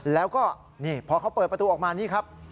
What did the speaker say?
แล้วก็นี่พอเขาเปิดประตูออกมานี่ครับ